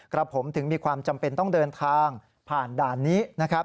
กระผมถึงมีความจำเป็นต้องเดินทางผ่านด้านนี้